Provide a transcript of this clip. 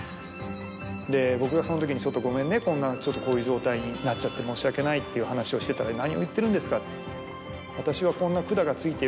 で僕がそのときに「ごめんねこういう状態になっちゃって申し訳ない」っていう話をしてたら「何を言ってるんですか」。